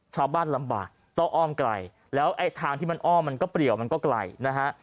ชาวบ้านลำบากต้องอ้อมไกลแล้วไอ้ทางที่มันอ้อมมันก็เปรียวมันก็ไกลนะฮะ